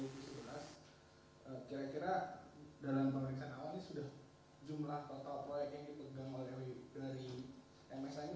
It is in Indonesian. kira kira dalam pemeriksaan awal ini sudah jumlah total proyek yang ditinggalkan oleh wu